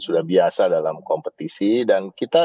sudah biasa dalam kompetisi dan kita